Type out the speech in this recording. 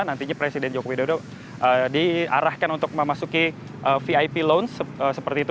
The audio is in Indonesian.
nantinya presiden joko widodo diarahkan untuk memasuki vip lounge seperti itu